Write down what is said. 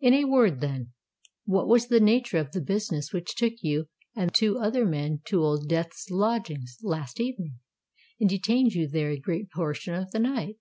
In a word, then, what was the nature of the business which took you and two other men to Old Death's lodgings last evening, and detained you there a great portion of the night?"